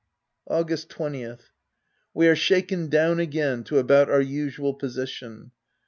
August 20th. — We are shaken down again to about our usual position.